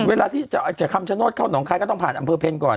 เวลาที่จะคำสะโน๊ตเข้าหนังไข้ก็ต้องผ่านอำเภอเพลินก่อน